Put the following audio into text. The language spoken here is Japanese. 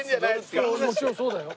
もちろんそうだよ。